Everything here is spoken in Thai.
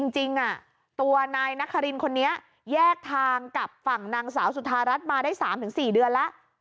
จริงตัวนายนครินคนนี้แยกทางกับฝั่งนางสาวสุธารัฐมาได้๓๔เดือนแล้ว